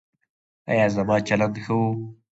ایا زما چلند ښه و؟